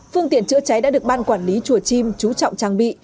phương tiện chữa cháy đã được ban quản lý chùa chim chú trọng trang bị